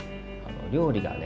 料理がね